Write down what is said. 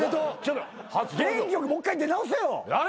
元気良くもう一回出直せよ！